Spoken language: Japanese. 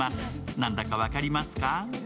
何だか分かりますか？